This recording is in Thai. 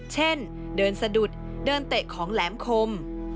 เช่นเดินสะดุดเดินเตะของแหลมคม